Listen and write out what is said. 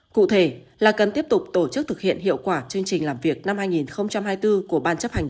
cụ thể là cần tiếp tục tổ chức thực hiện hiệu quả chương trình làm việc năm hai nghìn hai mươi bốn của ban chấp hành